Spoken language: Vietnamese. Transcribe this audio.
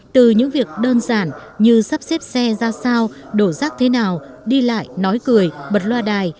từ những việc đơn giản như sắp xếp xe ra sao đổ rác thế nào đi lại nói cười bật loa đài